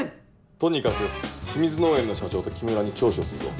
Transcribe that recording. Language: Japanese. とにかく清水農園の社長と木村に聴取をするぞ。